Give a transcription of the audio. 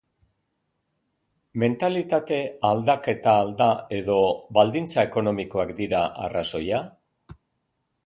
Mentalitate aldaketa al da edo baldintza ekonomikoak dira arrazoia?